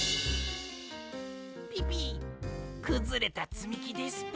ピピくずれたつみきですぷ。